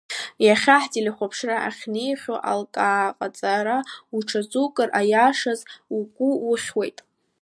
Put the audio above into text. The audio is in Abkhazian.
Иахьа ҳтелехәаԥшра ахьнеихьоу алкааҟаҵара уҽазукыр, аиашаз, угәы ухьуеит.